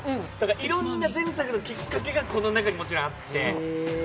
いろんな前作のきっかけが、この中に、もちろんあって。